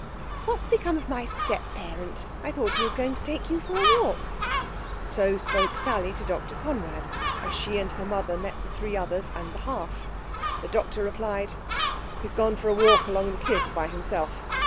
"What's become of my step parent? I thought he was going to take you for a walk." So spoke Sally to Dr. Conrad as she and her mother met the three others, and the half. The doctor replied: "He's gone for a walk along the cliff by himself.